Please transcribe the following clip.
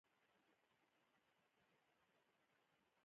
که یو ځای شي، اولاد یې شنډ وي.